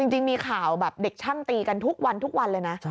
จริงมีข่าวแบบเด็กชั่นตีกันทุกวันเลยนะ